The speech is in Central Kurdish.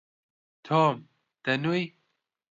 تۆم، دەنووی؟